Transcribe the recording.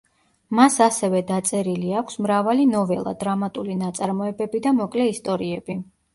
მას ასევე დაწერილი აქვს: მრავალი ნოველა, დრამატული ნაწარმოებები და მოკლე ისტორიები.